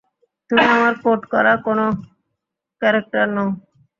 তুমি আমার কোড করা কোনো ক্যারেক্টার নও!